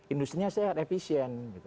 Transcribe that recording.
industri nya sehat efisien